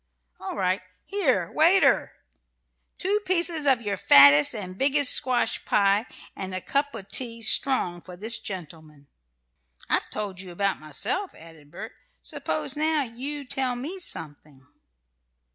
"All right! Here, waiter! Two pieces of your fattest and biggest squash pie; and a cup of tea, strong, for this gentleman." "I've told you about myself," added Bert; "suppose, now, you tell me something."